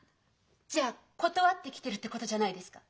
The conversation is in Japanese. じゃあ断ってきてるってことじゃないですか。